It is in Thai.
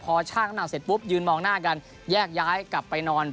พอช่างน้ำหนักเสร็จปุ๊บยืนมองหน้ากันแยกย้ายกลับไปนอน